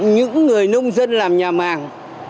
những người nông dân làm nhà màng